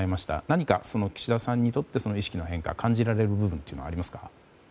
何か岸田さんにとって意識の変化を感じられる部分はありますか？